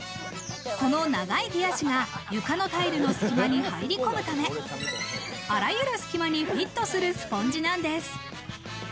この長い毛足が床のタイルの隙間に入り込むため、あらゆる隙間にフィットするスポンジなんです。